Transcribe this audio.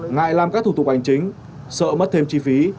ngại làm các thủ tục hành chính sợ mất thêm chi phí